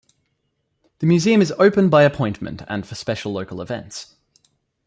The museum is open by appointment and for special local events.